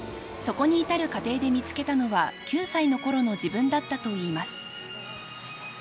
そこに至る過程で見つけたのは、９歳のころの自分だったといいます。